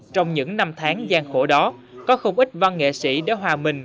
trong những năm tháng gian khổ đó có không ít văn nghệ sĩ đã hòa mình